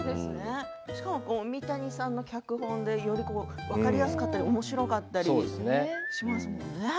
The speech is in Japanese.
しかも、三谷さんの脚本でより分かりやすかったりおもしろかったりしますもんね。